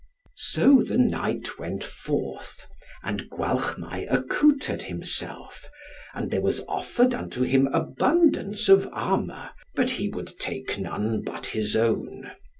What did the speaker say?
So the knight went forth, and Gwalchmai accoutred himself, and there was offered unto him abundance of armour, but he would take none but his own.